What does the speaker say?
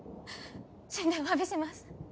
死んでおわびします。